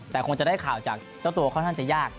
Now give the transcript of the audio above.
แต่คงจะได้ข่าวจากเจ้าตัวค่อนข้างจะยาก